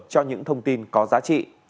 cho những thông tin có giá trị